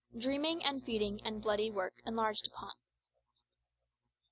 DREAMING AND FEEDING AND BLOODY WORK ENLARGED UPON.